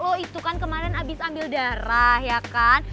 lo itu kan kemarin abis ambil darah ya kan